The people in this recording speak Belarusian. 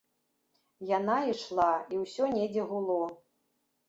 Яна ішла, і ўсё недзе гуло.